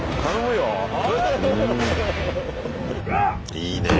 いいねえ。